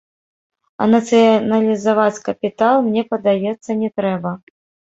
А нацыяналізаваць капітал, мне падаецца, не трэба.